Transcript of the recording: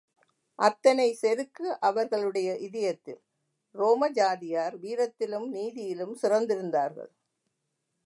அத்தனை செருக்கு அவர்களுடைய இதயத்தில் ரோம ஜாதியார் வீரத்திலும் நீதியிலும் சிறந்திருந்தார்கள்.